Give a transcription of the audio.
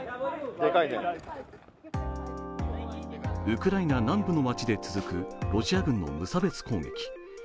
ウクライナ南部の街で続くロシア軍の無差別攻撃。